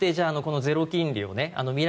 ゼロ金利を未来